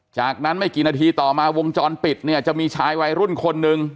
จากนั้นไม่กี่นาทีต่อมาวงจรปิดเนี่ยจะมีชายวัยรุ่นคนหนึ่ง